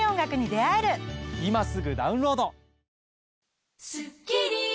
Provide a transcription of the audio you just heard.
今すぐダウンロード！